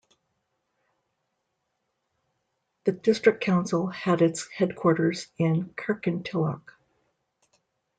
The district council had its headquarters in Kirkintilloch.